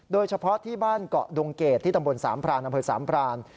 โดยเฉพาะที่บ้านเกาะดงเกตที่ตำบลสามพรานอำเภอสามพราน